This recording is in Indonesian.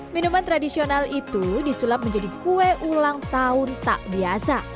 minuman tradisional itu disulap menjadi kue ulang tahun tak biasa